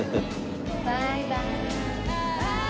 バイバーイ。